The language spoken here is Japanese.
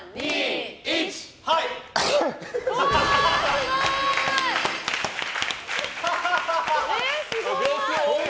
すごい！